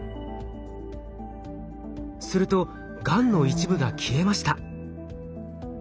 するとがんの一部が消えました。